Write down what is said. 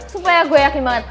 supaya gue yakin banget